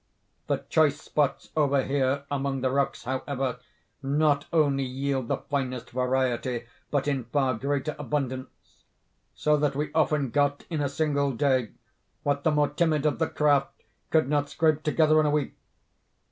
The choice spots over here among the rocks, however, not only yield the finest variety, but in far greater abundance; so that we often got in a single day, what the more timid of the craft could not scrape together in a week.